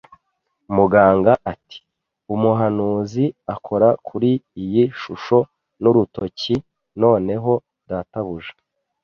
Muganga ati: "Umuhanuzi", akora kuri iyi shusho n'urutoki. “Noneho, Databuja